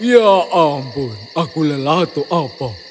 ya ampun aku lelah atau apa